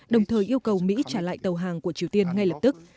đồng thời yêu cầu mỹ trả lại tàu hàng của triều tiên ngay lập tức